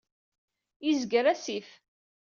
Yezger asif.